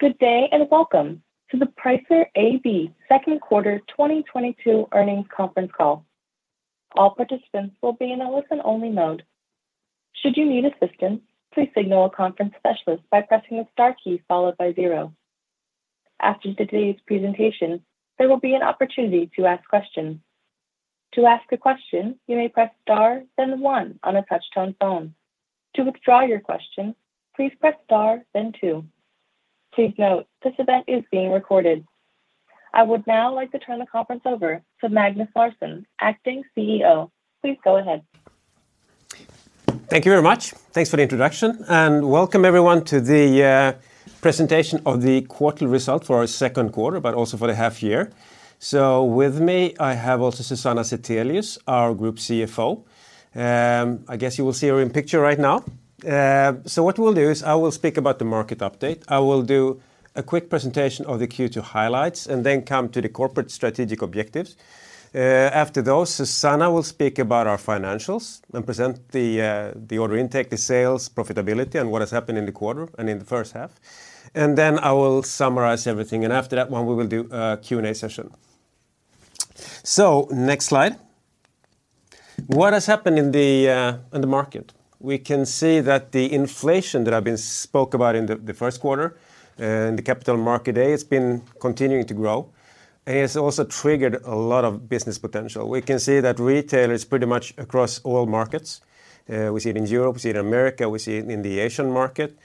Good day and welcome to the Pricer AB second quarter 2022 earnings conference call. All participants will be in a listen-only mode. Should you need assistance, please signal a conference specialist by pressing the star key followed by zero. After today's presentation, there will be an opportunity to ask questions. To ask a question, you may press star, then one on a touch-tone phone. To withdraw your question, please press star, then two. Please note, this event is being recorded. I would now like to turn the conference over to Magnus Larsson, acting CEO. Please go ahead. Thank you very much. Thanks for the introduction, and welcome everyone to the presentation of the quarterly result for our second quarter, but also for the half year. With me, I have also Susanna Zethelius, our group CFO. I guess you will see her in the picture right now. What we'll do is I will speak about the market update. I will do a quick presentation of the Q2 highlights and then come to the corporate strategic objectives. After those, Susanna will speak about our financials and present the order intake, the sales, profitability, and what has happened in the quarter and in the first half. I will summarize everything, and after that one, we will do a Q&A session. Next slide. What has happened in the market? We can see that the inflation that I spoke about in the first quarter in the Capital Markets Day, it's been continuing to grow, and it has also triggered a lot of business potential. We can see that retailers pretty much across all markets, we see it in Europe, we see it in America, we see it in the Asian market,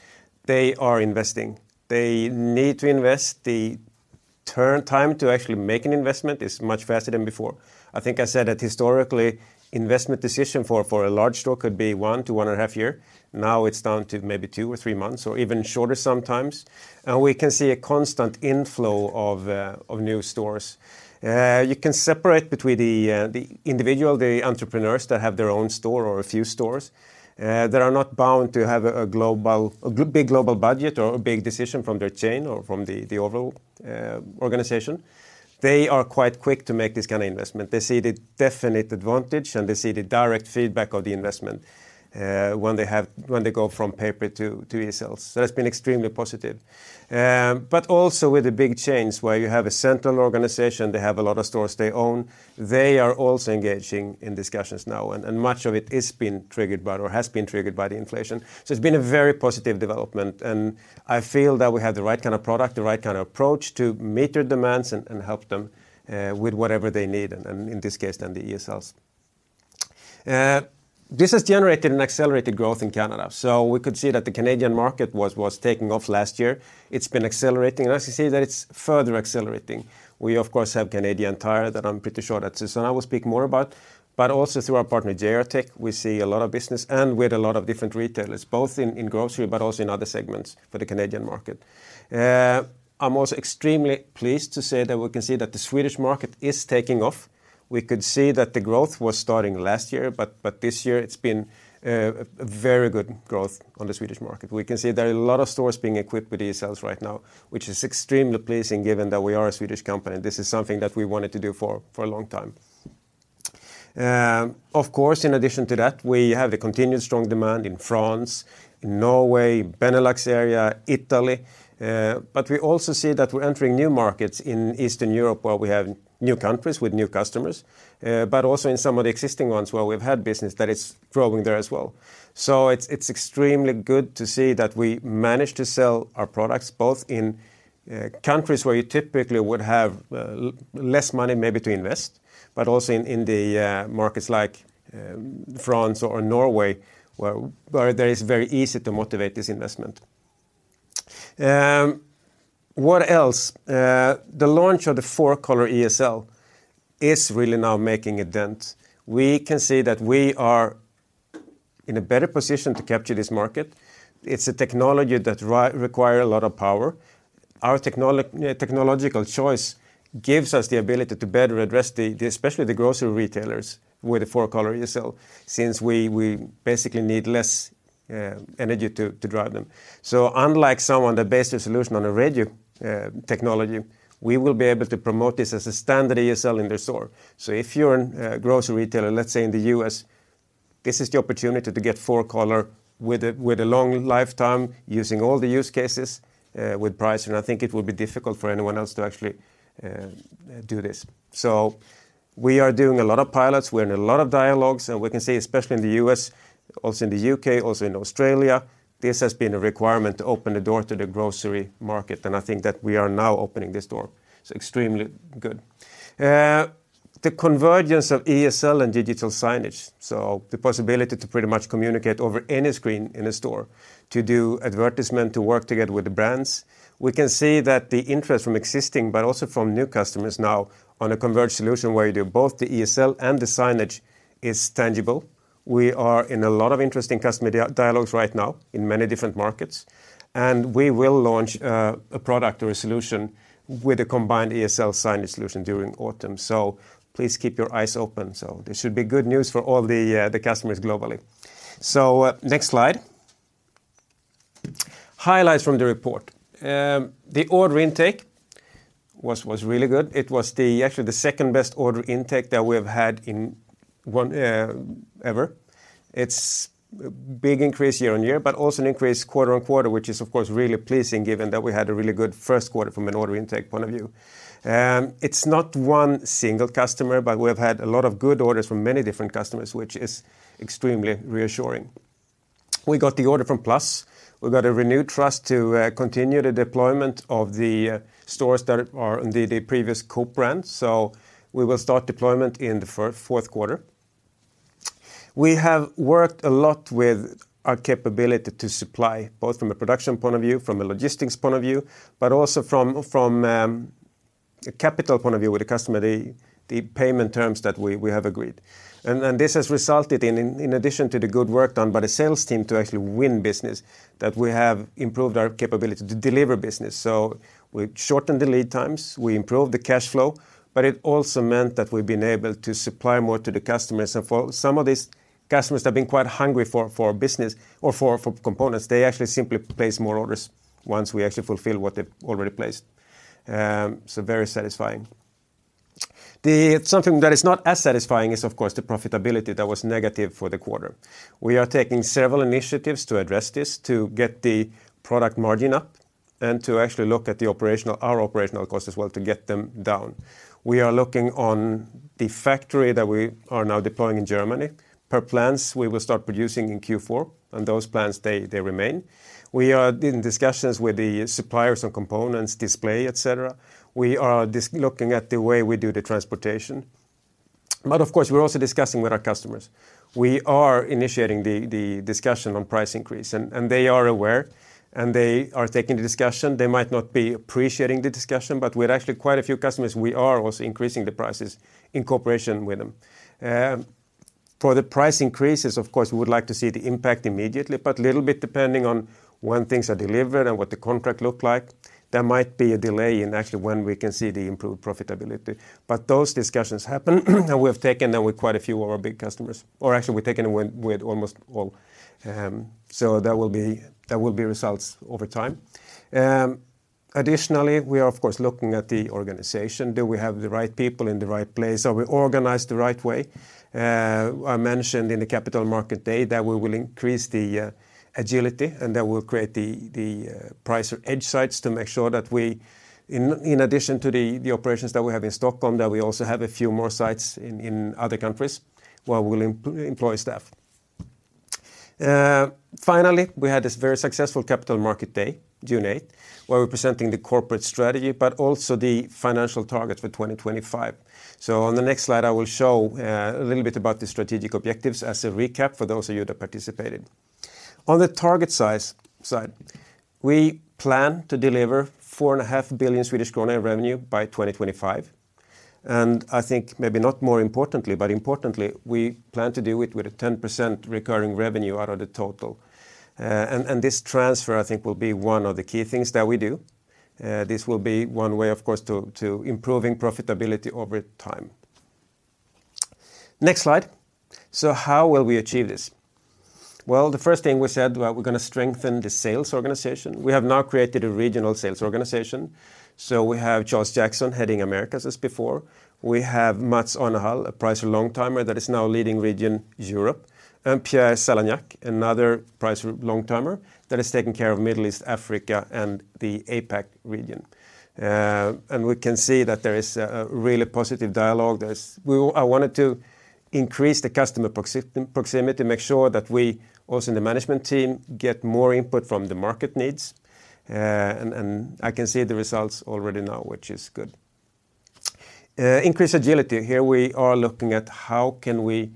they are investing. They need to invest. The turn time to actually make an investment is much faster than before. I think I said that historically, investment decision for a large store could be 1-1.5 years. Now it's down to maybe two or three months or even shorter sometimes. We can see a constant inflow of new stores. You can separate between the individual entrepreneurs that have their own store or a few stores that are not bound to have a big global budget or a big decision from their chain or from the overall organization. They are quite quick to make this kind of investment. They see the definite advantage, and they see the direct feedback of the investment when they go from paper to ESLs. That's been extremely positive. Also with the big chains where you have a central organization, they have a lot of stores they own, they are also engaging in discussions now, and much of it is being triggered by or has been triggered by the inflation. It's been a very positive development, and I feel that we have the right kind of product, the right kind of approach to meet their demands and help them with whatever they need and in this case then, the ESLs. This has generated an accelerated growth in Canada, so we could see that the Canadian market was taking off last year. It's been accelerating, and as you see that it's further accelerating. We of course have Canadian Tire that I'm pretty sure that Susanna will speak more about, but also through our partner, JRTech Solutions, we see a lot of business and with a lot of different retailers, both in grocery but also in other segments for the Canadian market. I'm also extremely pleased to say that we can see that the Swedish market is taking off. We could see that the growth was starting last year, but this year it's been a very good growth on the Swedish market. We can see there are a lot of stores being equipped with ESLs right now, which is extremely pleasing given that we are a Swedish company. This is something that we wanted to do for a long time. Of course, in addition to that, we have a continued strong demand in France, in Norway, Benelux area, Italy, but we also see that we're entering new markets in Eastern Europe where we have new countries with new customers, but also in some of the existing ones where we've had business that is growing there as well. It's extremely good to see that we managed to sell our products both in countries where you typically would have less money maybe to invest, but also in the markets like France or Norway where it's very easy to motivate this investment. What else? The launch of the four-color ESL is really now making a dent. We can see that we are in a better position to capture this market. It's a technology that require a lot of power. Our technological choice gives us the ability to better address the, especially the grocery retailers with the four-color ESL since we basically need less energy to drive them. Unlike someone that bases solution on a radio technology, we will be able to promote this as a standard ESL in their store. If you're a grocery retailer, let's say in the U.S., this is the opportunity to get four color with a long lifetime using all the use cases with Pricer, and I think it will be difficult for anyone else to actually do this. We are doing a lot of pilots. We're in a lot of dialogues, and we can see, especially in the U.S., also in the U.K., also in Australia, this has been a requirement to open the door to the grocery market, and I think that we are now opening this door. It's extremely good. The convergence of ESL and digital signage, so the possibility to pretty much communicate over any screen in a store to do advertisement, to work together with the brands. We can see that the interest from existing but also from new customers now on a converged solution where you do both the ESL and the signage is tangible. We are in a lot of interesting customer dialogues right now in many different markets, and we will launch a product or a solution with a combined ESL signage solution during autumn. Please keep your eyes open. This should be good news for all the customers globally. Next slide. Highlights from the report. The order intake was really good. It was actually the second-best order intake that we have had in one ever. It's a big increase year-over-year, but also an increase quarter-over-quarter, which is of course really pleasing given that we had a really good first quarter from an order intake point of view. It's not one single customer, but we've had a lot of good orders from many different customers, which is extremely reassuring. We got the order from PLUS. We got a renewed trust to continue the deployment of the stores that are under the previous Coop brand. We will start deployment in the fourth quarter. We have worked a lot with our capability to supply, both from a production point of view, from a logistics point of view, but also from a capital point of view with the customer, the payment terms that we have agreed. This has resulted in addition to the good work done by the sales team to actually win business, that we have improved our capability to deliver business. We shortened the lead times, we improved the cash flow, but it also meant that we've been able to supply more to the customers. For some of these customers that have been quite hungry for business or for components, they actually simply place more orders once we actually fulfill what they've already placed. Very satisfying. Something that is not as satisfying is, of course, the profitability that was negative for the quarter. We are taking several initiatives to address this, to get the product margin up and to actually look at our operational costs as well to get them down. We are looking on the factory that we are now deploying in Germany. Per plans, we will start producing in Q4, and those plans they remain. We are in discussions with the suppliers and components, display, et cetera. We are looking at the way we do the transportation. Of course, we're also discussing with our customers. We are initiating the discussion on price increase and they are aware, and they are taking the discussion. They might not be appreciating the discussion, but with actually quite a few customers, we are also increasing the prices in cooperation with them. For the price increases, of course, we would like to see the impact immediately, but a little bit depending on when things are delivered and what the contract look like. There might be a delay in actually when we can see the improved profitability. Those discussions happen, and we have taken them with quite a few of our big customers. Actually, we've taken them with almost all. There will be results over time. Additionally, we are of course looking at the organization. Do we have the right people in the right place? Are we organized the right way? I mentioned in the capital market day that we will increase the agility, and that we'll create the Pricer edge sites to make sure that we, in addition to the operations that we have in Stockholm, that we also have a few more sites in other countries where we'll employ staff. Finally, we had this very successful capital market day, June 8, where we're presenting the corporate strategy, but also the financial targets for 2025. On the next slide, I will show a little bit about the strategic objectives as a recap for those of you that participated. On the target size side, we plan to deliver four and a 500 million Swedish krona in revenue by 2025. I think maybe not more importantly, but importantly, we plan to do it with 10% recurring revenue out of the total. This transfer, I think, will be one of the key things that we do. This will be one way, of course, to improving profitability over time. Next slide. How will we achieve this? The first thing we said, we're gonna strengthen the sales organization. We have now created a regional sales organization. We have Charles Jackson heading Americas as before. We have Mats Arnehall, a Pricer long-timer that is now leading region Europe. And Pierre Salagnac, another Pricer long-timer that is taking care of Middle East, Africa, and the APAC region. We can see that there is a really positive dialogue. I wanted to increase the customer proximity, make sure that we, also in the management team, get more input from the market needs. I can see the results already now, which is good. Increase agility. Here we are looking at how can we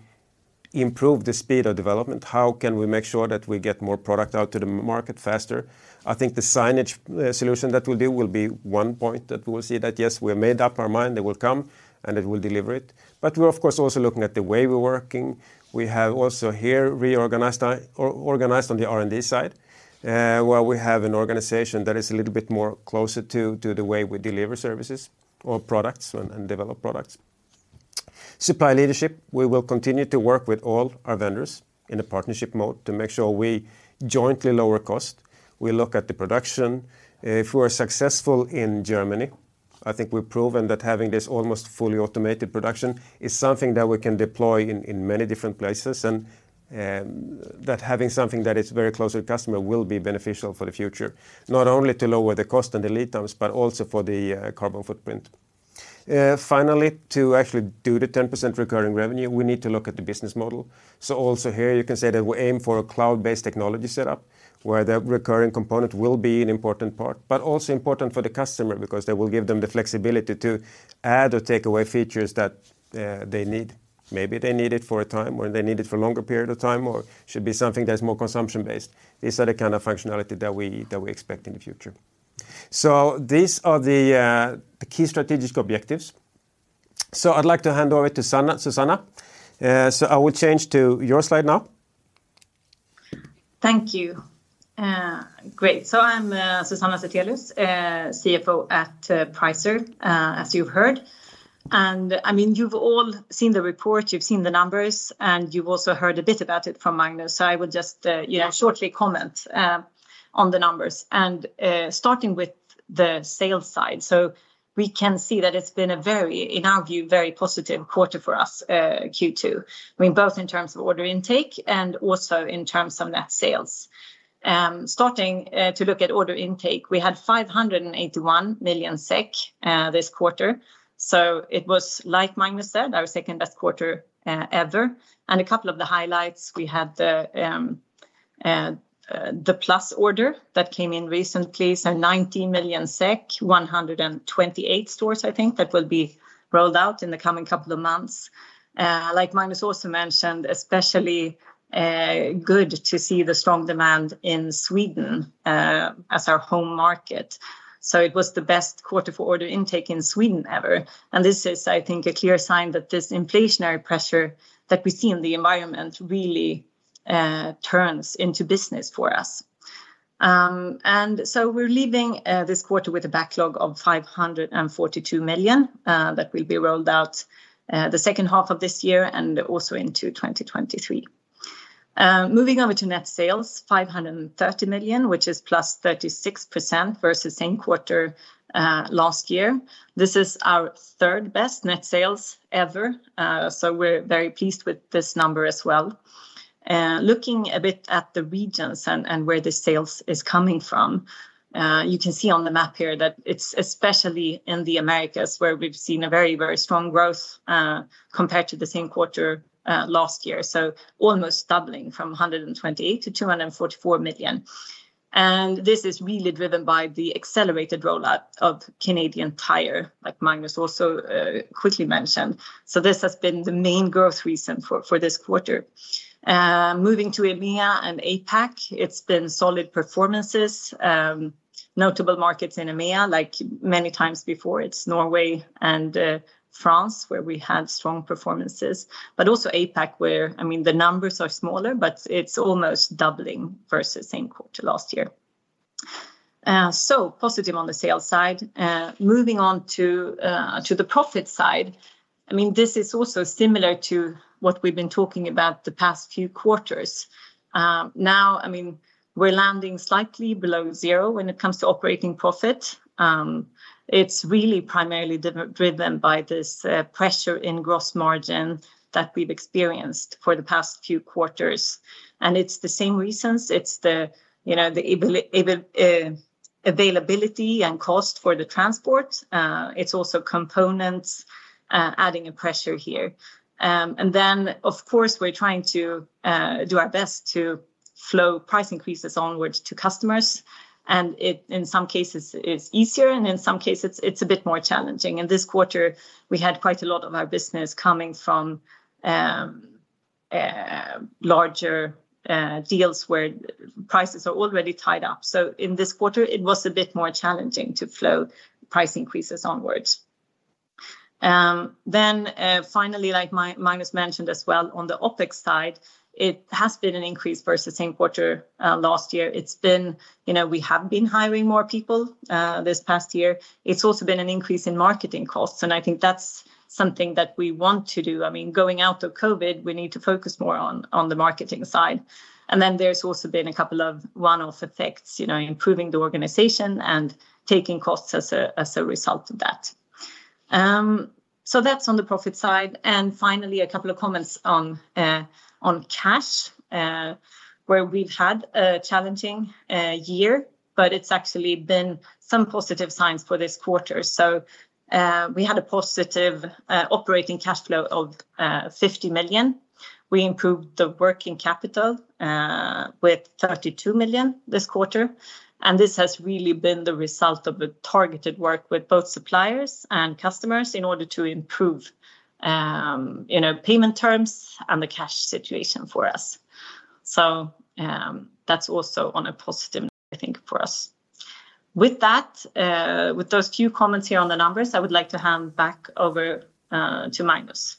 improve the speed of development. How can we make sure that we get more product out to the market faster? I think the signage solution that we'll do will be one point that we will see that, yes, we have made up our mind, it will come, and it will deliver it. We're of course also looking at the way we're working. We have also here organized on the R&D side, where we have an organization that is a little bit more closer to the way we deliver services or products and develop products. Supply leadership, we will continue to work with all our vendors in a partnership mode to make sure we jointly lower cost. We look at the production. If we are successful in Germany, I think we've proven that having this almost fully automated production is something that we can deploy in many different places. That having something that is very close to the customer will be beneficial for the future, not only to lower the cost and the lead times, but also for the carbon footprint. Finally, to actually do the 10% recurring revenue, we need to look at the business model. Also here you can say that we aim for a cloud-based technology setup, where the recurring component will be an important part. Also important for the customer because that will give them the flexibility to add or take away features that they need. Maybe they need it for a time, or they need it for a longer period of time, or it should be something that's more consumption-based. These are the kind of functionality that we expect in the future. These are the key strategic objectives. I'd like to hand over to Susanna. I will change to your slide now. Thank you. Great. I'm Susanna Zethelius, CFO at Pricer, as you've heard. I mean, you've all seen the report, you've seen the numbers, and you've also heard a bit about it from Magnus. I would just, you know, shortly comment on the numbers and starting with the sales side. We can see that it's been a very, in our view, very positive quarter for us, Q2. I mean, both in terms of order intake and also in terms of net sales. Starting to look at order intake, we had 581 million SEK this quarter, so it was, like Magnus said, our second-best quarter, ever. A couple of the highlights, we had the PLUS order that came in recently, so 90 million SEK, 128 stores I think that will be rolled out in the coming couple of months. Like Magnus also mentioned, especially good to see the strong demand in Sweden as our home market. It was the best quarter for order intake in Sweden ever. This is, I think, a clear sign that this inflationary pressure that we see in the environment really turns into business for us. We're leaving this quarter with a backlog of 542 million that will be rolled out the second half of this year and also into 2023. Moving over to net sales, 530 million, which is +36% versus same quarter last year. This is our third-best net sales ever. We're very pleased with this number as well. Looking a bit at the regions and where the sales is coming from, you can see on the map here that it's especially in the Americas where we've seen a very, very strong growth, compared to the same quarter last year, so almost doubling from 128 million to 244 million. This is really driven by the accelerated rollout of Canadian Tire, like Magnus also quickly mentioned. This has been the main growth reason for this quarter. Moving to EMEA and APAC, it's been solid performances. Notable markets in EMEA, like many times before, it's Norway and France where we had strong performances. Also APAC, where, I mean, the numbers are smaller, but it's almost doubling versus same quarter last year. Positive on the sales side. Moving on to the profit side. I mean, this is also similar to what we've been talking about the past few quarters. Now, I mean, we're landing slightly below zero when it comes to operating profit. It's really primarily driven by this pressure in gross margin that we've experienced for the past few quarters. It's the same reasons. It's the, you know, the availability and cost for the transport. It's also components adding a pressure here. And then, of course, we're trying to do our best to flow price increases onwards to customers, and it, in some cases it's easier, and in some cases it's a bit more challenging. In this quarter, we had quite a lot of our business coming from larger deals where prices are already tied up. In this quarter, it was a bit more challenging to flow price increases onwards. Finally, like Magnus mentioned as well, on the OpEx side, it has been an increase versus same quarter last year. It's been, you know, we have been hiring more people this past year. It's also been an increase in marketing costs, and I think that's something that we want to do. I mean, going out of COVID, we need to focus more on the marketing side. Then there's also been a couple of one-off effects, you know, improving the organization and taking costs as a result of that. That's on the profit side. Finally, a couple of comments on cash, where we've had a challenging year, but it's actually been some positive signs for this quarter. We had a positive operating cash flow of 50 million. We improved the working capital with 32 million this quarter, and this has really been the result of the targeted work with both suppliers and customers in order to improve you know payment terms and the cash situation for us. That's also on a positive note, I think, for us. With those few comments here on the numbers, I would like to hand back over to Magnus.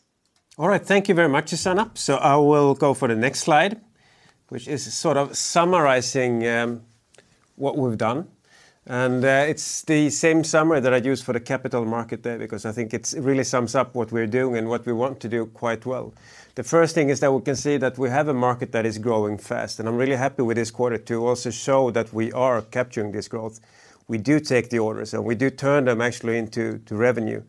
All right. Thank you very much, Susanna. I will go for the next slide, which is sort of summarizing what we've done, and it's the same summary that I used for the capital market day because I think it really sums up what we're doing and what we want to do quite well. The first thing is that we can see that we have a market that is growing fast, and I'm really happy with this quarter to also show that we are capturing this growth. We do take the orders, and we do turn them actually into revenue.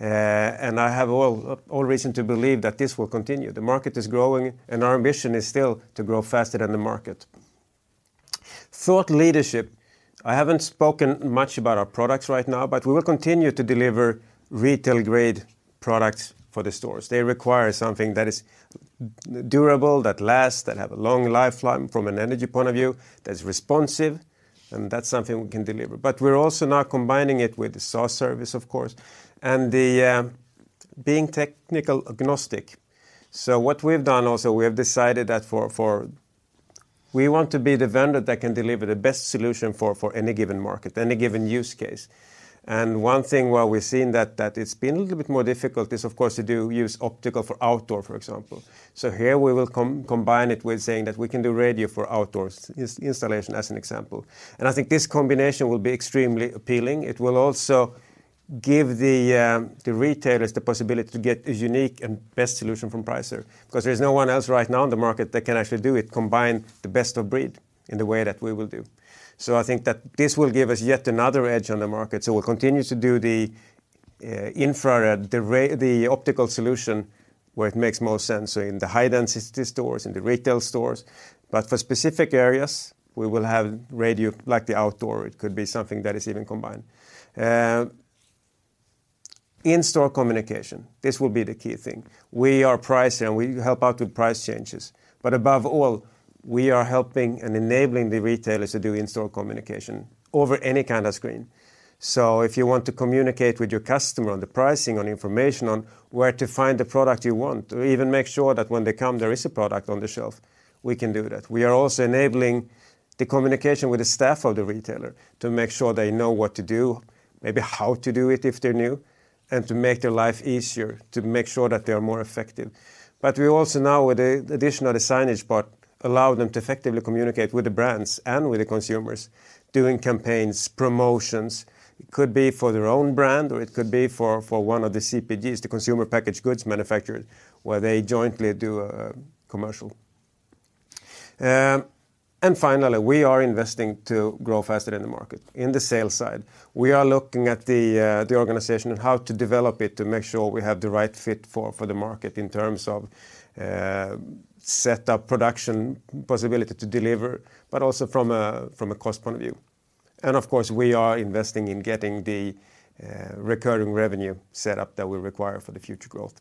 I have all reason to believe that this will continue. The market is growing, and our ambition is still to grow faster than the market. Thought leadership. I haven't spoken much about our products right now, but we will continue to deliver retail-grade products for the stores. They require something that is durable, that lasts, that have a long lifeline from an energy point of view, that's responsive, and that's something we can deliver. We're also now combining it with the SaaS service, of course, and the being technology agnostic. What we've done also, we have decided that. We want to be the vendor that can deliver the best solution for any given market, any given use case. One thing where we've seen that it's been a little bit more difficult is, of course, use optical for outdoor, for example. Here we will combine it with saying that we can do radio for outdoors installation as an example. I think this combination will be extremely appealing. It will also give the retailers the possibility to get a unique and best solution from Pricer, 'cause there's no one else right now in the market that can actually do it, combine the best of breed in the way that we will do. I think that this will give us yet another edge on the market, so we'll continue to do the infrared, the ray, the optical solution where it makes most sense, in the high-density stores, in the retail stores. For specific areas, we will have radio, like the outdoor, it could be something that is even combined. In-store communication, this will be the key thing. We are Pricer, and we help out with price changes. Above all, we are helping and enabling the retailers to do in-store communication over any kind of screen. If you want to communicate with your customer on the pricing, on information, on where to find the product you want, or even make sure that when they come, there is a product on the shelf, we can do that. We are also enabling the communication with the staff of the retailer to make sure they know what to do, maybe how to do it if they're new, and to make their life easier, to make sure that they are more effective. We also now with the additional, the signage part, allow them to effectively communicate with the brands and with the consumers doing campaigns, promotions. It could be for their own brand, or it could be for one of the CPGs, the consumer packaged goods manufacturers, where they jointly do a commercial. Finally, we are investing to grow faster in the market. In the sales side, we are looking at the organization and how to develop it to make sure we have the right fit for the market in terms of set up production, possibility to deliver, but also from a cost point of view. Of course, we are investing in getting the recurring revenue set up that we require for the future growth.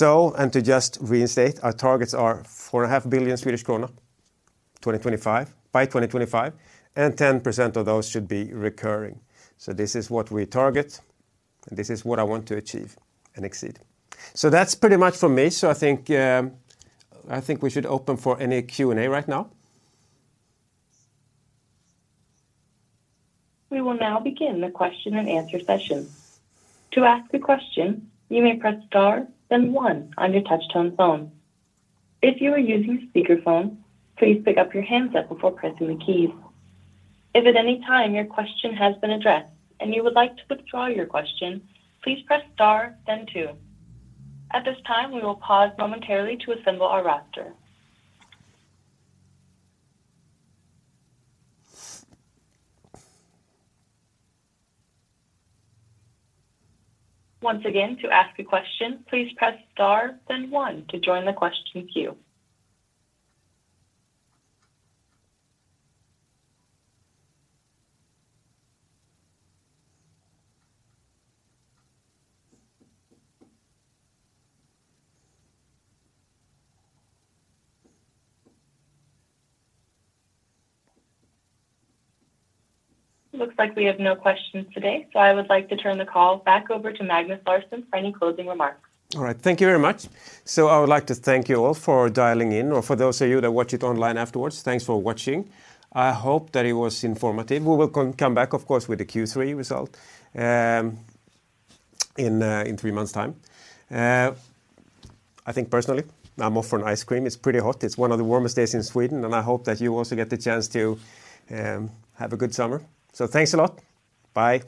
To just reinstate, our targets are 4.5 billion Swedish krona 2025, by 2025, and 10% of those should be recurring. This is what we target, and this is what I want to achieve and exceed. That's pretty much from me, so I think we should open for any Q&A right now. We will now begin the question and answer session. To ask a question, you may press star, then one on your touch tone phone. If you are using speakerphone, please pick up your handset before pressing the keys. If at any time your question has been addressed and you would like to withdraw your question, please press star, then two. At this time, we will pause momentarily to assemble our roster. Once again, to ask a question, please press star, then one to join the question queue. Looks like we have no questions today, so I would like to turn the call back over to Magnus Larsson for any closing remarks. All right. Thank you very much. I would like to thank you all for dialing in, or for those of you that watch it online afterwards, thanks for watching. I hope that it was informative. We will come back, of course, with the Q3 result in three months' time. I think personally, I'm off for an ice cream. It's pretty hot. It's one of the warmest days in Sweden, and I hope that you also get the chance to have a good summer. Thanks a lot. Bye.